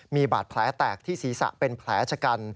มีบาดแผลแตกที่ศีรษะเป็นแผลชะกัน